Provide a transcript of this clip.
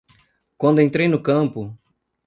Quando entrei no campo